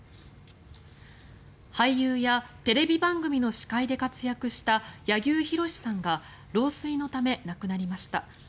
俳優やテレビ番組の司会で活躍した柳生博さんが老衰のため亡くなりました。